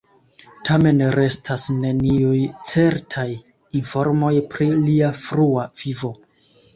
Tamen restas neniuj certaj informoj pri lia frua vivo.